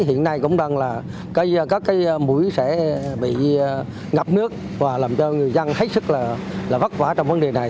hiện nay cũng đang là các cái mũi sẽ bị ngập nước và làm cho người dân hết sức là vất vả trong vấn đề này